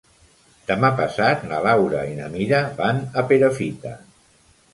Demà passat na Laura i na Mira van a Perafita.